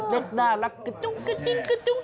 กระจุ้งกระจุ้งกระจิ้งกระจุ้งกระจิ้ง